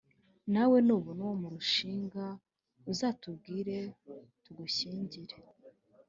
Nawe nubona uwo murushinga uzatubwire tugushyingire